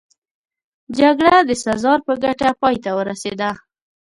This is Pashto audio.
جګړه د سزار په ګټه پای ته ورسېده